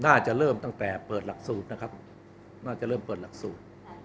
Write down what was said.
น่าจะเริ่มตั้งแต่เปิดหลักศูตร